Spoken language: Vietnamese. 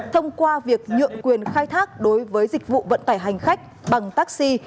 thông qua việc nhượng quyền khai thác đối với dịch vụ vận tải hành khách bằng taxi